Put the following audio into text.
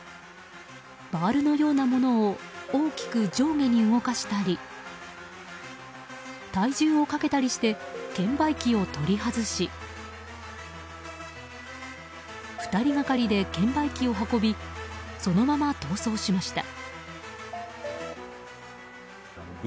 バールのようなものを大きく上下に動かしたり体重をかけたりして券売機を取り外し２人がかりで券売機を運びそのまま逃走しました。